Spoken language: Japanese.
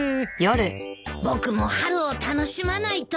僕も春を楽しまないとな。